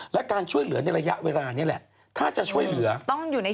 ถ้าจะช่วยเหลือต้องอยู่ในช่วงนี้